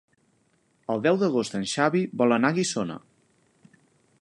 El deu d'agost en Xavi vol anar a Guissona.